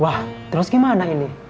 wah terus gimana ini